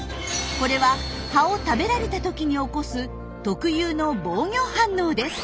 これは葉を食べられたときに起こす特有の防御反応です。